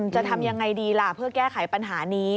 จะทำยังไงดีล่ะเพื่อแก้ไขปัญหานี้